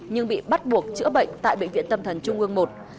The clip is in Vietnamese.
nhưng bị bắt buộc chữa bệnh tại bệnh viện tâm thần trung ương i